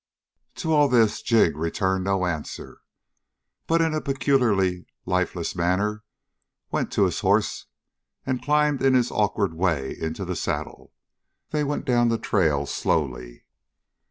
To all this Jig returned no answer, but in a peculiarly lifeless manner went to his horse and climbed in his awkward way into the saddle. They went down the trail slowly.